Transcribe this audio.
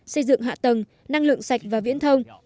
xây dựng hạ tầng năng lượng sạch và viễn thông